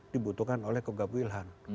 dibutuhkan oleh konggap wilhan